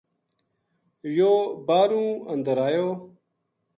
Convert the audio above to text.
یوہ باہرُو اندر آیو